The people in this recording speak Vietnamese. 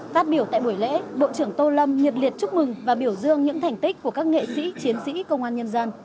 phát biểu tại buổi lễ bộ trưởng tô lâm nhiệt liệt chúc mừng và biểu dương những thành tích của các nghệ sĩ chiến sĩ công an nhân dân